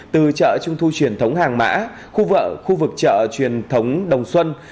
từ chợ trung thu truyền thống hàng mã khu vợ khu vực chợ truyền thống đồng xuân